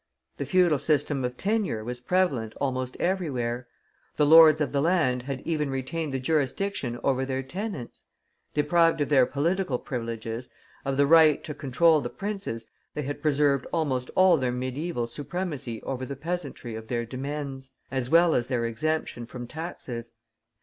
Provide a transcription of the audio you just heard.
The feudal system of tenure was prevalent almost everywhere. The lords of the land had even retained the jurisdiction over their tenants. Deprived of their political privileges, of the right to control the princes, they had preserved almost all their Mediæval supremacy over the peasantry of their demesnes, as well as their exemption from taxes.